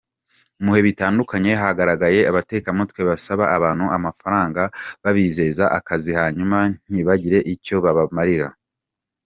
Mu bihe bitandukanye hagaragaye abatekamutwe basaba abantu amafaranga babizeza akazi hanyuma ntibagire icyo babamarira.